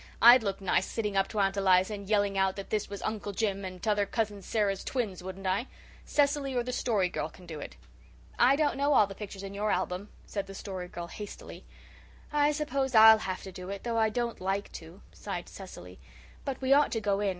"I'd look nice sitting up to Aunt Eliza and yelling out that this was Uncle Jim and 'tother Cousin Sarah's twins, wouldn't I? Cecily or the Story Girl can do it." "I don't know all the pictures in your album," said the Story Girl hastily. "I s'pose I'll have to do it, though I don't like to," sighed Cecily. "But we ought to go in.